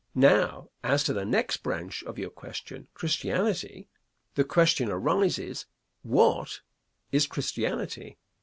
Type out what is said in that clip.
Now, as to the next branch of your question, Christianity. The question arises, What is Christianity?